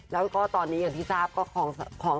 แล้วก็ตอนนี้อย่างที่ทราบก็ของ